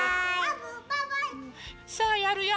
さあやるよ。